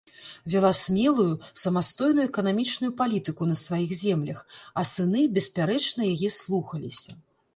Вяла смелую, самастойную эканамічную палітыку на сваіх землях, а сыны беспярэчна яе слухаліся.